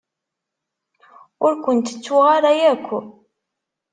Ur kent-ttuɣ ara akk.